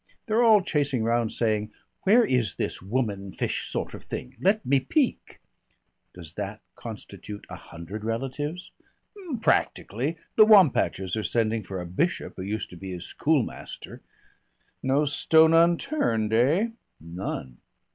They're all chasing round saying, 'Where is this woman fish sort of thing? Let me peek!'" "Does that constitute the hundred relatives?" "Practically. The Wampachers are sending for a Bishop who used to be his schoolmaster " "No stone unturned, eh?" "None."